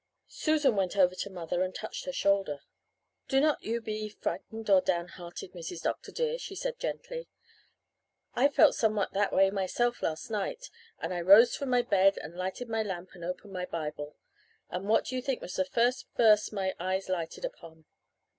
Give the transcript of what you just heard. "Susan went over to mother and touched her shoulder. "'Do not you be frightened or downhearted, Mrs. Dr. dear,' she said gently. 'I felt somewhat that way myself last night, and I rose from my bed and lighted my lamp and opened my Bible; and what do you think was the first verse my eyes lighted upon?